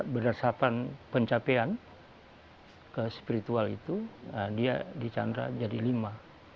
berdasarkan pencapaian ke spiritual itu dia dicandra jadi lima